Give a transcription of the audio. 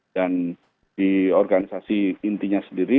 dan di organisasi intinya sendiri